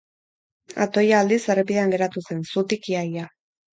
Atoia, aldiz, errepidean geratu zen, zutik ia-ia.